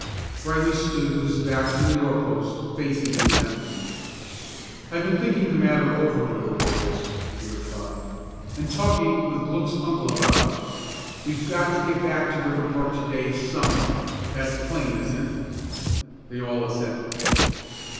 Brightly stood with his back to the doorpost, facing the assembly. "I've been thinking the matter over a little, boys," he replied, "and talking with Glück's uncle about it. We've got to get back to Riverpark to day some way; that's plain, isn't it?" They all assented.